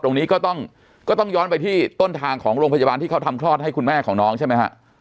ตรงนี้ก็ต้องก็ต้องย้อนไปที่ต้นทางของโรงพยาบาลที่เขาทำคลอดให้คุณแม่ของน้องใช่ไหมฮะ